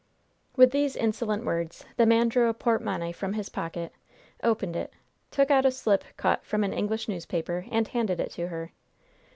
With these insolent words, the man drew a portmonnaie from his pocket, opened it, took out a slip cut from an English newspaper and handed it to her.